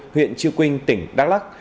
huyện trư quynh tỉnh đắk lắc